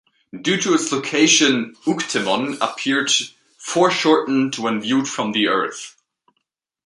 Due to its location, Euctemon appears foreshortened when viewed from the Earth.